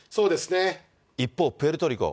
一方、プエルトリコ。